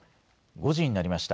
５時になりました。